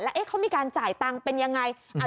แล้วเขามีการจ่ายตังค์เป็นยังไง